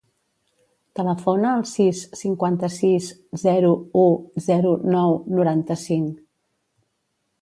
Telefona al sis, cinquanta-sis, zero, u, zero, nou, noranta-cinc.